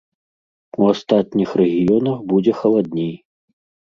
У астатніх рэгіёнах будзе халадней.